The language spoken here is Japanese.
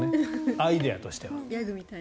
アイデアとしては。